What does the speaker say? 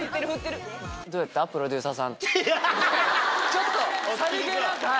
ちょっとさりげなく。